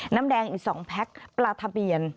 น้ำแดงอีก๒แพ็คปลาทะเบียน